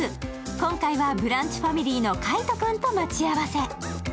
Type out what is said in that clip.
今回は「ブランチ」ファミリーの海音君と待ち合わせ。